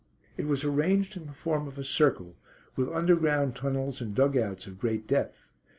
It was arranged in the form of a circle, with underground tunnels and dug outs of great depth.